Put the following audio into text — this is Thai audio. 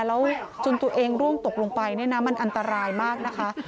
แล้วจนตัวเองร่วงตกลงไปเนี่ยนะมันอันตรายมากนะคะ